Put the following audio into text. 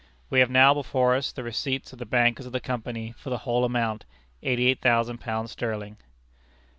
We have now before us the receipts of the bankers of the Company for the whole amount, eighty eight thousand pounds sterling.